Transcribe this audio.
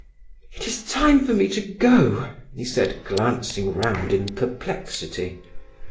"It is time for me to go," he said, glancing round in perplexity.